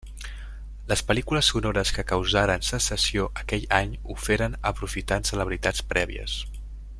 Les pel·lícules sonores que causaren sensació aquell any ho feren aprofitant celebritats prèvies.